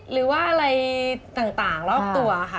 หรือว่าอะไรต่างรอบตัวค่ะ